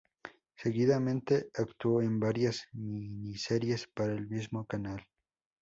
Seguidamente actuó en varias miniseries para el mismo canal.